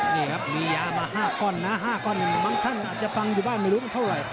นี่ครับมียามา๕ก้อนนะ๕ก้อนบางท่านอาจจะฟังอยู่บ้านไม่รู้มันเท่าไหร่